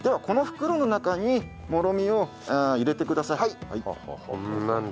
この袋の中にもろみを入れてください。